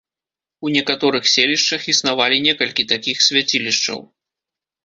У некаторых селішчах існавалі некалькі такіх свяцілішчаў.